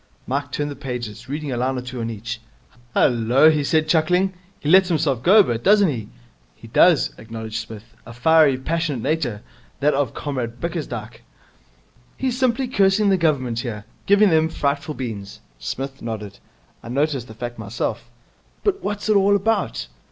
Mike turned the pages, reading a line or two on each. 'Hullo!' he said, chuckling. 'He lets himself go a bit, doesn't he!' 'He does,' acknowledged Psmith. 'A fiery, passionate nature, that of Comrade Bickersdyke.' 'He's simply cursing the Government here. Giving them frightful beans.' Psmith nodded. 'I noticed the fact myself.' 'But what's it all about?'